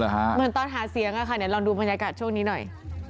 เหมือนตอนหาเสียงอะค่ะเดี๋ยวลองดูบรรยากาศช่วงนี้หน่อย